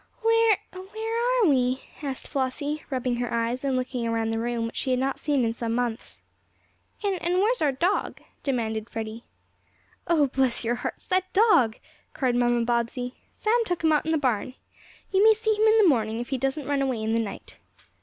"Where where are we?" asked Flossie, rubbing her eyes and looking around the room which she had not seen in some months. "An' an' where's our dog?" demanded Freddie. "Oh, bless your hearts that dog!" cried Mamma Bobbsey. "Sam took him out in the barn. You may see him in the morning, if he doesn't run away in the night."